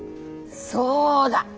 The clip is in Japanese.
そうだ。